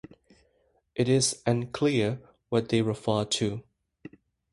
It is unclear what they refer to.